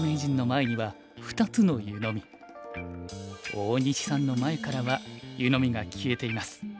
大西さんの前からは湯飲みが消えています。